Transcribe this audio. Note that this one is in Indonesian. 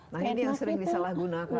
nah ini yang sering disalahgunakan